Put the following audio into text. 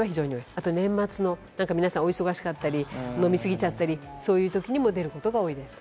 あと年末のお忙しかったり飲みすぎちゃったり、そういうときにも出ることが多いです。